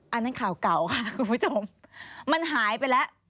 อันนั้นข่าวเก่าค่ะคุณผู้ชมมันหายไปแล้ว